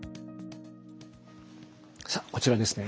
さあこちらですね。